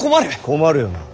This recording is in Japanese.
困るよな。